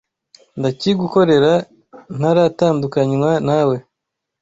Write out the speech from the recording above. ndakigukorera ntaratandukanywa nawe